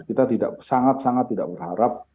kita tidak sangat sangat tidak berharap